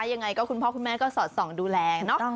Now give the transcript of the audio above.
ยังไงก็คุณพ่อคุณแม่ก็สอดส่องดูแลเนอะ